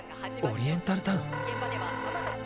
っ⁉オリエンタルタウン。